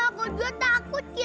aku bapak pengaruh lebih bela